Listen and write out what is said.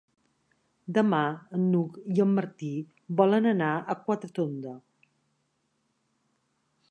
Demà n'Hug i en Martí volen anar a Quatretonda.